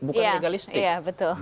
bukan legalistik iya betul